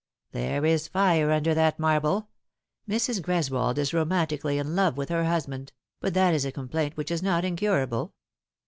" There is fire under that marble. Mrs. Greswold is roman tically in love with her husband : but that is a complaint which is not incurable."